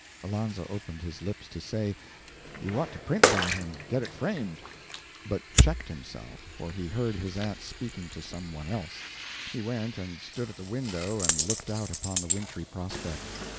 Alonzo opened his lips to say, "You ought to print that, and get it framed," but checked himself, for he heard his aunt speaking to some one else. He went and stood at the window and looked out upon the wintry prospect.